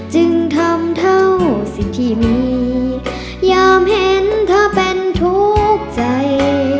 จึงทำเท่าสิ่งที่มียามเห็นเธอเป็นทุกข์ใจ